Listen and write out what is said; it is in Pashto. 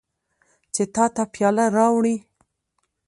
چې تا ته پیاله راوړي.